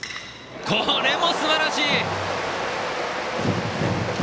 これもすばらしい！